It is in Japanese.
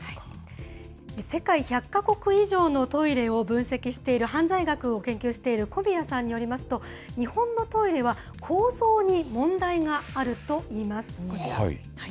世界１００か国以上のトイレを分析している、犯罪学を研究している小宮さんによりますと、日本のトイレは、構造に問題があるといいます。